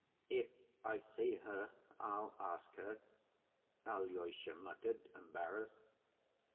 "If I see her I'll ask her," Alyosha muttered, embarrassed.